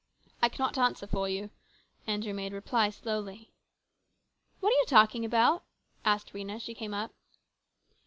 " I cannot answer for you," Andrew made reply slowly. " What are you talking about ?" asked Rhena as she came up.